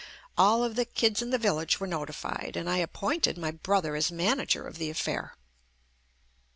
All of the kids in the village were notified, and I appointed my brother as manager of the affair.